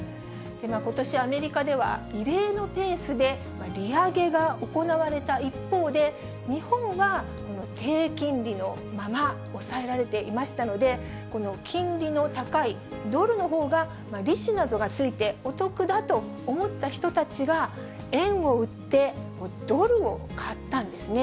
ことしアメリカでは、異例のペースで利上げが行われた一方で、日本は低金利のまま、抑えられていましたので、この金利の高いドルのほうが、利子などがついて、お得だと思った人たちが、円を売って、ドルを買ったんですね。